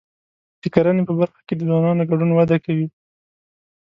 د کرنې په برخه کې د ځوانانو ګډون وده کوي.